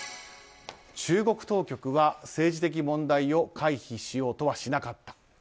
中国当局は政治的問題を回避しようとはしなかった。